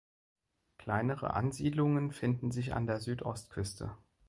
Kleinere Ansiedlungen finden sich an der Südostküste.